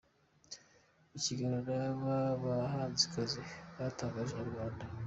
Mu kiganiro n'aba bahanzikazi batangarije Inyarwanda.